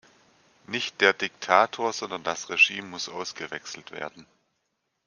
Nicht der Diktator, sondern das Regime muss ausgewechselt werden.